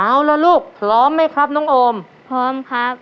เอาล่ะลูกพร้อมไหมครับน้องโอมพร้อมครับ